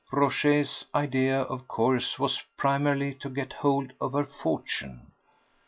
Rochez's idea, of course, was primarily to get hold of her fortune.